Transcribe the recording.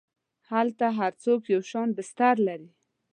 هلته هر څوک یو شان بستر لري.